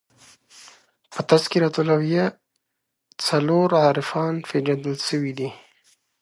په "تذکرةالاولیاء" څلور عارفانو پېژندل سوي دي.